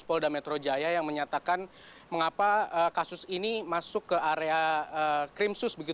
polda metro jaya yang menyatakan mengapa kasus ini masuk ke area krimsus